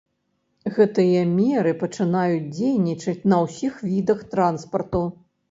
Гэтыя меры пачынаюць дзейнічаць на ўсіх відах транспарту.